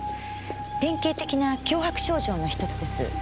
典型的な強迫症状の一つです。